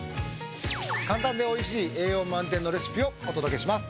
簡単で美味しい栄養満点のレシピをお届けします。